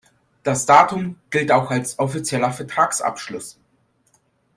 Das Datum gilt auch als offizieller Vertragsabschluss.